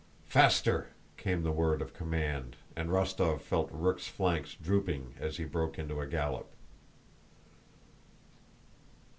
"Faster!" came the word of command, and Rostóv felt Rook's flanks drooping as he broke into a gallop.